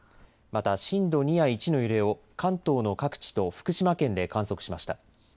また震度２や１の揺れを関東の各地と福島県で観測しました。